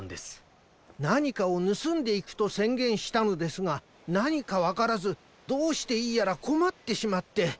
なにかをぬすんでいくとせんげんしたのですがなにかわからずどうしていいやらこまってしまって。